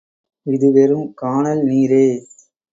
இது வெறும் கானல் நீரே.